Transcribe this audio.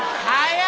はい。